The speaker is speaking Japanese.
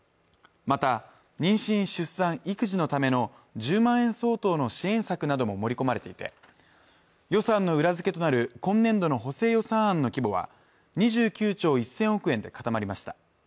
また妊娠・出産・育児のための１０万円相当の支援策なども盛り込まれていて予算の裏付けとなる今年度の補正予算案の規模は２９兆１０００億円で固まりました